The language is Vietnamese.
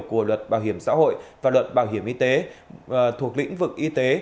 của luật bảo hiểm xã hội và luật bảo hiểm y tế thuộc lĩnh vực y tế